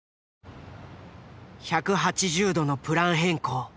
１８０度のプラン変更。